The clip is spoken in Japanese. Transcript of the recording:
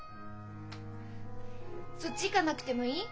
そっち行かなくてもいい？